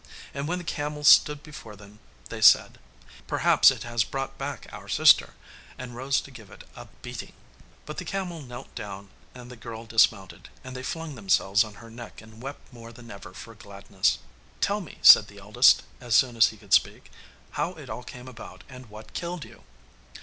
And when the camel stood before them they said, 'Perhaps it has brought back our sister!' and rose to give it a beating. But the camel knelt down and the girl dismounted, and they flung themselves on her neck and wept more than ever for gladness. 'Tell me,' said the eldest, as soon as he could speak, 'how it all came about, and what killed you.